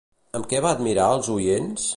Amb què va admirar als oients?